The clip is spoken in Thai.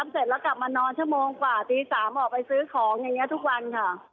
เต็มตำรวจชมหนึ่ง